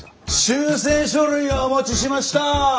修正書類をお持ちしました！